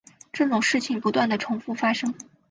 这种事件不断地重覆发生。